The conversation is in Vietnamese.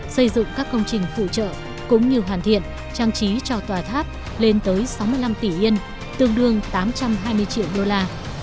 xây dựng các công trình phụ trợ cũng như hoàn thiện trang trí cho tòa tháp lên tới sáu mươi năm tỷ yên tương đương tám trăm hai mươi triệu đô la